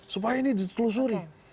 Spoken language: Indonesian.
supaya ini ditelusuri